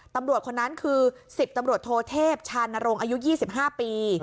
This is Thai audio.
ตำรวจคนนั้นคือ๑๐ตำรวจโทเทพชานรงค์อายุ๒๕ปี